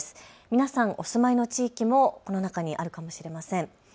皆さんお住まいの地域もこの中にあるかもしれません。